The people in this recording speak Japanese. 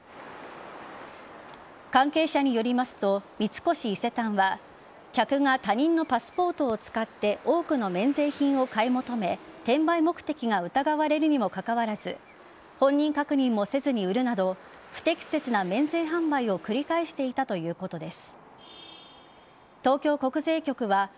関係者によりますと三越伊勢丹は客が他人のパスポートを使って多くの免税品を買い求め転売目的が疑われるにもかかわらず本人確認もせずに売るなど不適切な免税販売を繰り返していたということです。